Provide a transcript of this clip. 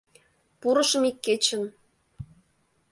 Пурышым ик кечын